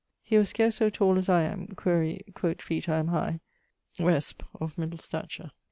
He was scarce so tall as I am quaere, quot feet I am high: resp., of middle stature.